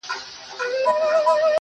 • ما خپل پښتون او خپل ياغي ضمير كي.